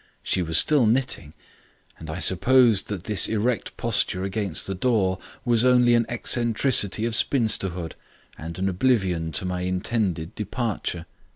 She was still knitting, and I supposed that this erect posture against the door was only an eccentricity of spinsterhood and an oblivion of my intended departure.